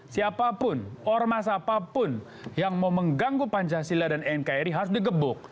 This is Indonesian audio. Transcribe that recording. siapapun ormas apapun yang mau mengganggu pancasila dan nkri harus digebuk